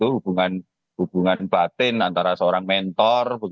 hubungan batin antara seorang mentor